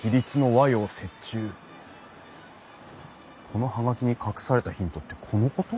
この葉書に隠されたヒントってこのこと？